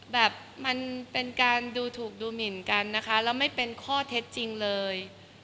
มันเป็นการดูถูกดูหมินกันนะคะแล้วไม่เป็นข้อเท็จจริงเลย